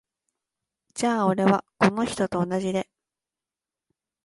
じゃ俺は、この人と同じで。